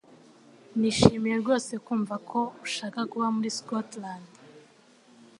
Nishimiye rwose kumva ko ushaka kuba muri Scotland